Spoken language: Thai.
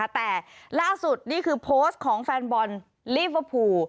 แต่ล่าสุดนี่คือโพสต์ของแฟนบอลลิเวอร์พูล